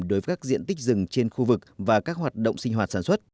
đối với diện tích rừng trên khu vực và các hoạt động sinh hoạt sản xuất